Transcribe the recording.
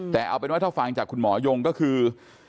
แต่เอาเป็นว่าถ้าฟังจากคุณหมอยงก็คือ